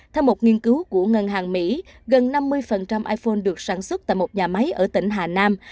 theo một nghiên cứu của ngân hàng mỹ gần năm mươi iphone được sản xuất tại một nhà máy ở tỉnh hà nam